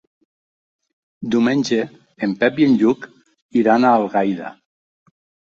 Diumenge en Pep i en Lluc iran a Algaida.